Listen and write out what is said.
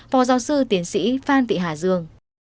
phó giáo sư tiến sĩ phan thị hà dương